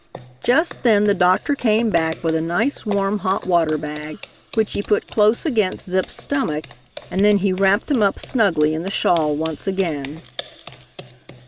Just then the doctor came back with a nice warm hot water bag, which he put close against Zip's stomach, and then he wrapped him up snugly in the shawl once again.